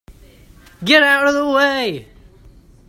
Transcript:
Get out of the way!